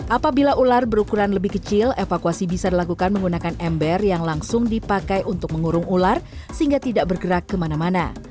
apabila ular berukuran lebih kecil evakuasi bisa dilakukan menggunakan ember yang langsung dipakai untuk mengurung ular sehingga tidak bergerak kemana mana